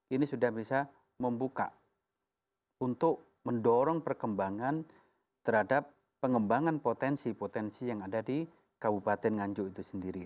ini sudah bisa membuka untuk mendorong perkembangan terhadap pengembangan potensi potensi yang ada di kabupaten nganjuk itu sendiri